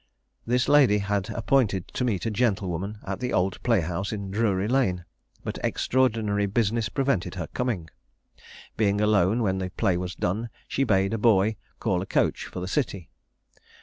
This lady had appointed to meet a gentlewoman at the Old Playhouse in Drury lane, but extraordinary business prevented her coming. Being alone when the play was done, she bade a boy call a coach for the city.